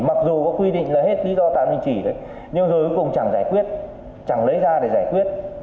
mặc dù có quy định là hết lý do tạm đình chỉ thôi nhưng rồi cuối cùng chẳng giải quyết chẳng lấy ra để giải quyết